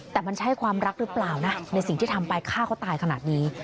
แต่มันใช่ความรักหรือเปล่านะในสิ่งที่ทำไปฆ่าเขาตายขนาดนี้